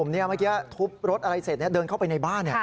เมื่อกี้ทุบรถอะไรเสร็จเดินเข้าไปในบ้าน